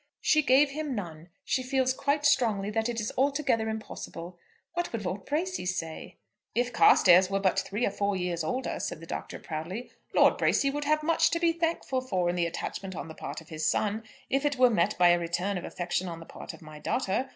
"She gave him none. She feels quite strongly that it is altogether impossible. What would Lord Bracy say?" "If Carstairs were but three or four years older," said the Doctor, proudly, "Lord Bracy would have much to be thankful for in the attachment on the part of his son, if it were met by a return of affection on the part of my daughter.